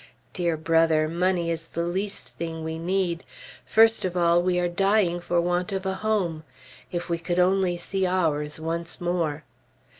Dear Brother, money is the least thing we need; first of all, we are dying for want of a home. If we could only see ours once more!